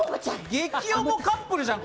激重カップルじゃん